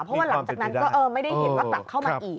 เพราะว่าหลังจากนั้นก็ไม่ได้เห็นว่ากลับเข้ามาอีก